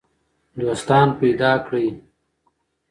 دوستان پیدا کړئ.